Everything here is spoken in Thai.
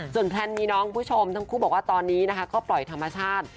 แพลนมีน้องคุณผู้ชมทั้งคู่บอกว่าตอนนี้นะคะก็ปล่อยธรรมชาติ